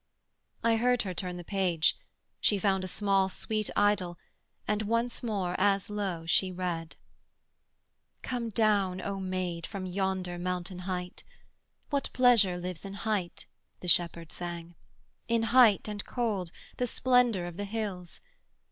I heard her turn the page; she found a small Sweet Idyl, and once more, as low, she read: 'Come down, O maid, from yonder mountain height: What pleasure lives in height (the shepherd sang) In height and cold, the splendour of the hills?